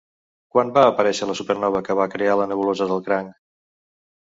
Quan va aparèixer la supernova que va crear la nebulosa del Cranc?